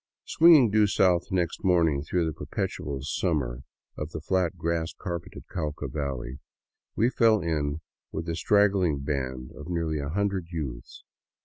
Swinging due south next morning through the perpetual summer of the flat, grass carpeted Cauca valley, we fell in with a straggling band of nearly a hundred youths.